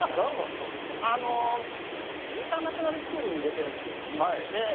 インターナショナルスクールに入れているんですよ。